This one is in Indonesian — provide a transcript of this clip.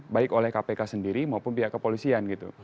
baik oleh kpk sendiri maupun pihak kepolisian gitu